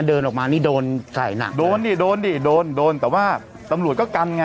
เดินออกมานี่โดนใส่หนักโดนดิโดนดิโดนโดนแต่ว่าตำรวจก็กันไง